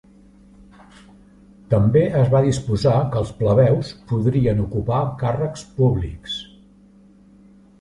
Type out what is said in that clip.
També es va disposar que els plebeus podrien ocupar càrrecs públics.